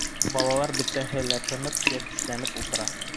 Балалар, бөтәһе лә тынып, йәтешләнеп ултыра.